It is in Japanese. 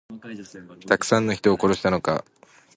たくさんの人を殺したのか。